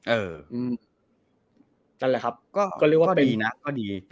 นั่นแหละครับก็เรียกว่าปีนะก็ดี